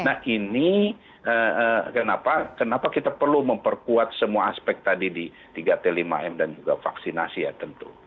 jadi kenapa kita perlu memperkuat semua aspek tadi di tiga t lima m dan juga vaksinasi ya tentu